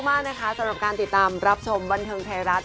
มากนะคะสำหรับการติดตามรับชมบันเทิงไทยรัฐ